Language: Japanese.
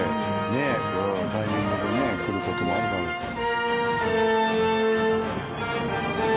ねえタイミングでね来る事もあるだろうから。